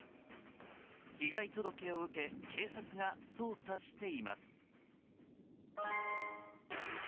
被害届を受け警察が捜査しています。